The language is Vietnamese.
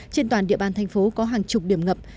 trên toàn địa bàn thành phố có hàng chục điểm ngập